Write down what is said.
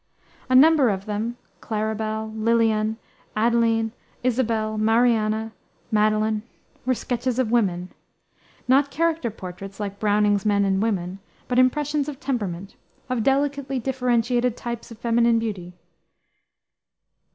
A number of them Claribel, Lilian, Adeline, Isabel, Mariana, Madeline were sketches of women; not character portraits, like Browning's Men and Women, but impressions of temperament, of delicately, differentiated types of feminine beauty.